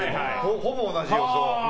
ほぼ同じ予想。